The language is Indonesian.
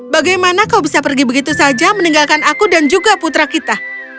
bagaimana kau bisa pergi begitu saja meninggalkan aku dan juga putra kita